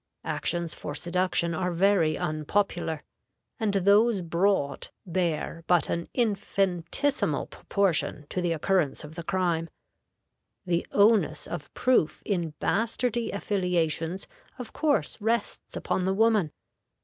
Actions for seduction are very unpopular, and those brought bear but an infinitesimal proportion to the occurrence of the crime. The onus of proof in bastardy affiliations of course rests upon the woman.